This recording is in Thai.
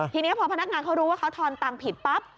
ทีนี้พอพนักงานเขารู้ว่าเขาทอนตังค์ผิดปั๊บ